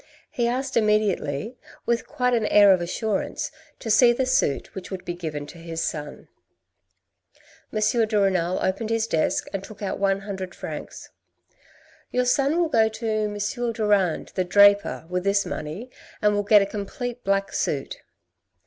He asked immediately, with quite an air of assurance, to see the suit which would be given to his son. M. de Renal opened his desk and took out one hundred francs. "Your son will go to M. Durand, the draper, with this money and will get a complete black suit."